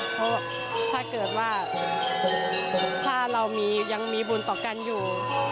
เพราะถ้าเกิดว่าถ้าเรายังมีบุญต่อกันอยู่